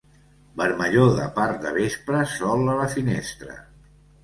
Vermellor de part de vespre, sol a la finestra.